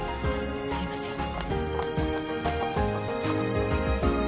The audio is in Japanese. すいません。